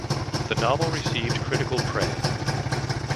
The novel received critical praise.